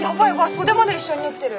袖まで一緒に縫ってる。